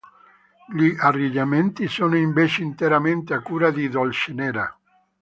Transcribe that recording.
Gli arrangiamenti sono invece interamente a cura di Dolcenera.